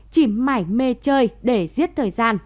chỉ mải mê chơi để giết thời gian